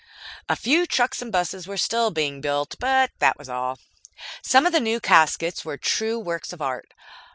A few trucks and buses were still being built, but that was all. Some of the new caskets were true works of art.